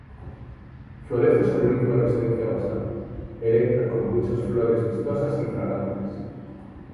Florece sobre una inflorescencia basal, erecta con muchas flores vistosas y fragantes.